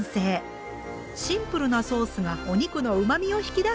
シンプルなソースがお肉のうまみを引き出してくれるそうです。